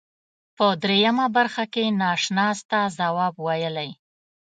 په دریمه برخه کې ناشناس ته جواب ویلی.